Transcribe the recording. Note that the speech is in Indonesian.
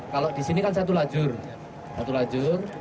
kalau di sini kan satu lajur